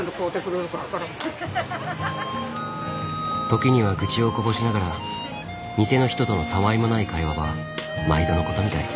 時には愚痴をこぼしながら店の人とのたわいもない会話は毎度のことみたい。